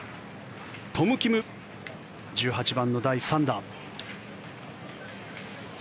トム・キム、１８番の第３打。